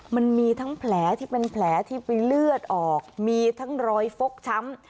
มันมีทั้งแผลที่เป็นแผลที่ไปเลือดออกมีทั้งรอยฟกช้ำ